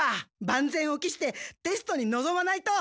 万全を期してテストにのぞまないと。